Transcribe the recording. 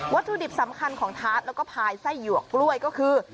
ถุดิบสำคัญของทาสแล้วก็พายไส้หยวกกล้วยก็คือ